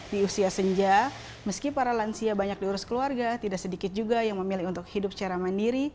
di usia senja meski para lansia banyak diurus keluarga tidak sedikit juga yang memilih untuk hidup secara mandiri